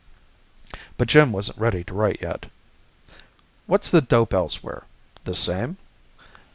But Jim wasn't ready to write yet. "What's the dope elsewhere? The same?"